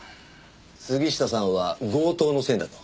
杉下さんは強盗の線だと？